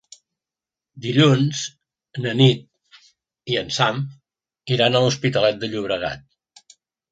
Dilluns na Nit i en Sam iran a l'Hospitalet de Llobregat.